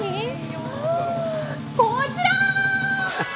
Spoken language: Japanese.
こちら！